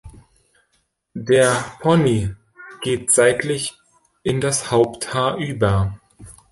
Der Pony geht seitlich in das Haupthaar über.